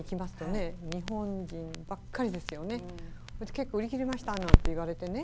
結構「売り切れました」なんて言われてね。